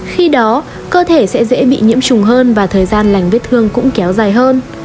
khi đó cơ thể sẽ dễ bị nhiễm trùng hơn và thời gian lành vết thương cũng kéo dài hơn